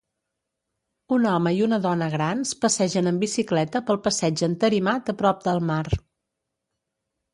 Un home i una dona grans passegen en bicicleta pel passeig entarimat a prop del mar.